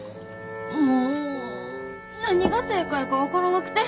もう何が正解か分からなくて。